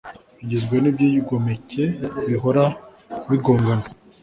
igizwe n’ibyigomeke bihora bigongana